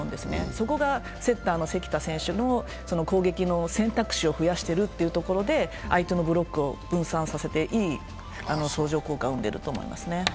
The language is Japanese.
そこがセッターの関田選手の攻撃の選択肢を増やしているということで相手のブロックを分散させていい相乗効果を生んでると思いますね。